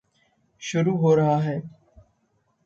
शुरू हो रहा है।